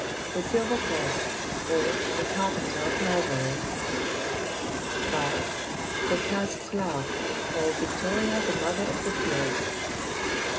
The Silver Cross; or, The Carpenter of Nazareth; 5. The Casque's Lark; or, Victoria, The Mother of the Fields; 6.